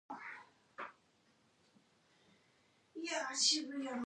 The mission and message of Jesus surround the cross.